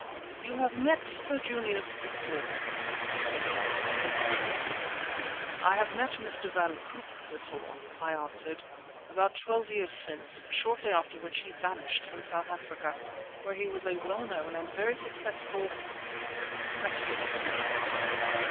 "You have met Sir Junius before?" he said to me interrogatively. "I have met Mr. van Koop before," I answered, "about twelve years since, shortly after which he vanished from South Africa, where he was a well known and very successful—speculator."